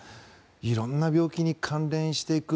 色んな病気に関連していく。